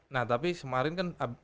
nah tapi semarin kan